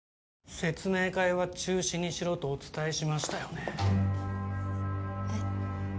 説明会は中止にしろとお伝えしましたよねえっ？